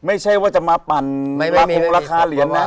ไม่ใช่ว่าจะมาปั่นในระทงราคาเหรียญนะ